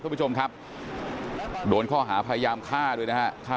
คุณผู้ชมครับโดนข้อหาพยายามฆ่าด้วยนะฮะฆ่า